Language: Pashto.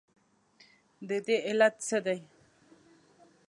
ددې علت څه دی؟